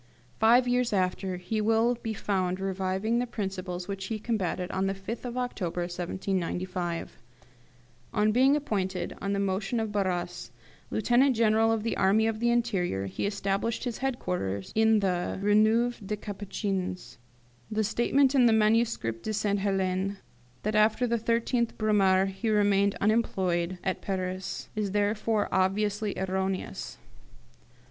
Five years after he will be found reviving the principles which he combated on the 5th of October 1795. On being appointed, on the motion of Barras, Lieutenant General of the Army of the Interior, he established his headquarters in the Rue Neuve des Capucines. The statement in the 'Manuscrit de Sainte Helene, that after the 13th Brumaire he remained unemployed at Paris, is therefore obviously erroneous.